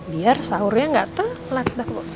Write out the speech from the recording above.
biar sahurnya gak telat